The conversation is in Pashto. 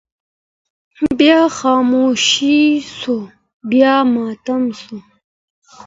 بيا خاموشي سوه بيا ماتم سو